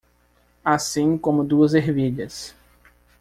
Assim como duas ervilhas